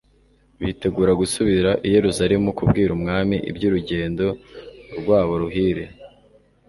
bitegura gusubira i Yerusalemu kubwira umwami iby'urugendo rwa bo ruhire.